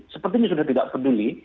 sepertinya sudah tidak peduli